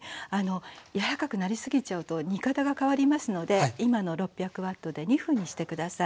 柔らかくなりすぎちゃうと煮方が変わりますので今の６００Ｗで２分にして下さい。